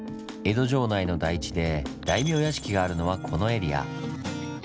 江戸城内の台地で大名屋敷があるのはこのエリア。